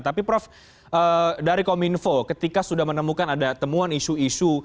tapi prof dari kominfo ketika sudah menemukan ada temuan isu isu